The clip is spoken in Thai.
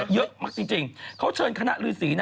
เยอะมากจริงเขาเชิญคณะฤษีนะ